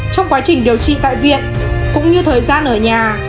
trong quá trình điều trị tại viện cũng như thời gian ở nhà